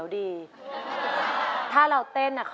ส่วนหนูขายลูกชิ้นค่ะ